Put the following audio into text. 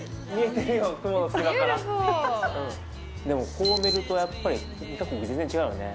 でもこう見るとやっぱり２か国全然違うよね。